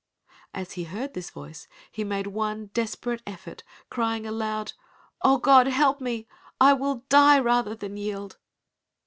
As he heard this voice he made one desperate effort, crying aloud, "Oh, God, help me. I will die rather than yield."